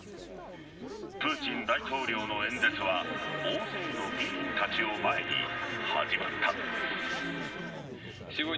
プーチン大統領の演説は大勢の議員たちを前に始まった。